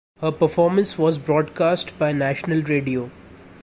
Her performance was broadcast by national radio.